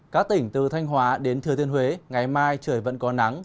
các tỉnh từ thanh hóa đến thừa thiên huế ngày mai trời vẫn có nắng